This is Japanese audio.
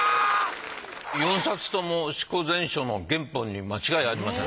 ４冊とも『四庫全書』の原本に間違いありません。